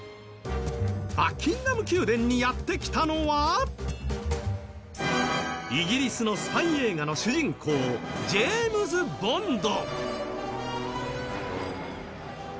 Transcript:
バッキンガム宮殿にやってきたのはイギリスのスパイ映画の主人公ジェームズ・ボンド。